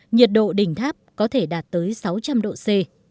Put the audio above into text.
nhiệt độ đỉnh tháp có thể đạt tới sáu trăm linh độ c